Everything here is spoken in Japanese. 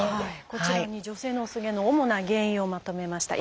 こちらに女性の薄毛の主な原因をまとめました。